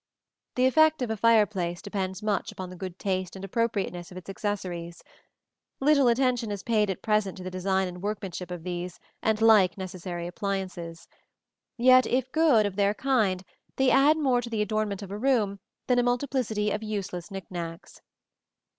The effect of a fireplace depends much upon the good taste and appropriateness of its accessories. Little attention is paid at present to the design and workmanship of these and like necessary appliances; yet if good of their kind they add more to the adornment of a room than a multiplicity of useless knick knacks.